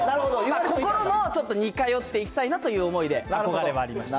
心もちょっと似通っていきたいなという思いで、憧れはありました。